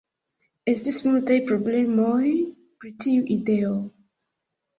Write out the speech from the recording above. Estis multaj problemoj pri tiu ideo.